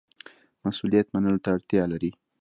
مسوولیت منلو ته اړتیا لري